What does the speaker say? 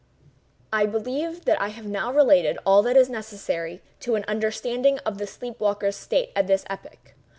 I believe that I have now related all that is necessary to an understanding of the sleep waker's state at this epoch.